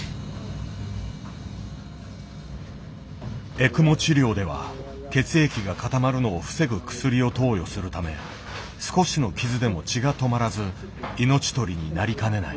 エクモ治療では血液が固まるのを防ぐ薬を投与するため少しの傷でも血が止まらず命取りになりかねない。